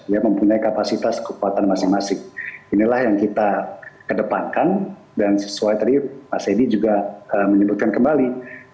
ya mempunyai kapasitas kekuatan masing masing inilah yang kita kedepankan dan sesuai tadi pak sedi juga menyebutkan kembali